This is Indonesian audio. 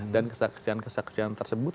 dan kesaksian kesaksian tersebut